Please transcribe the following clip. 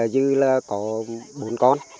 như là có bốn con